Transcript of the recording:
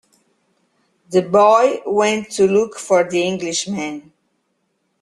The boy went to look for the Englishman.